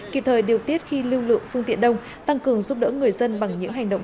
kịp thời điều tiết khi lưu lượng phương tiện đông tăng cường giúp đỡ người dân bằng những hành động